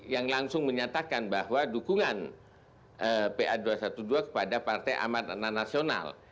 yang langsung menyatakan bahwa dukungan pr dua ratus dua belas kepada partai amat nanasional